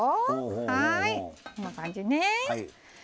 はいこんな感じね。